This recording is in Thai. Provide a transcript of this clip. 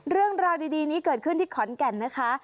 เรื่องราวดีนี้เกิดขึ้นที่ขอนแก่นนะคะ